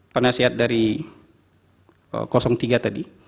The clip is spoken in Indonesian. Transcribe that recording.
penasihat dari tiga tadi